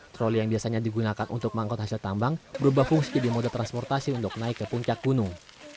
troli yang biasanya digunakan untuk mengangkut hasil tambang berubah fungsi di moda transportasi untuk naik ke puncak gunung